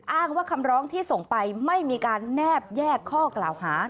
อ้างว่าคำร้องที่ส่งไปไม่มีการแนบแยกข้อกล่าวหา